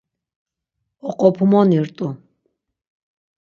Oqopumoni rt̆u.